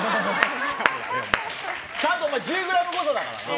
ちゃんと１０ｇごとだからな。